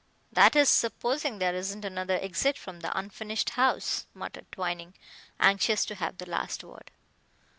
"That is supposing there isn't another exit from the unfinished house," muttered Twining, anxious to have the last word.